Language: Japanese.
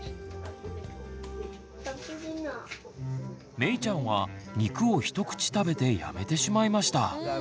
めいちゃんは肉を一口食べてやめてしまいました。